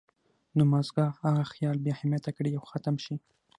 نو مازغۀ هغه خيال بې اهميته کړي او ختم شي